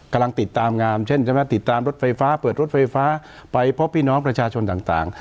กำลังติดตามงามเช่นใช่ไหมติดตามรถไฟฟ้าเปิดรถไฟฟ้าไปพบพี่น้องประชาชนต่าง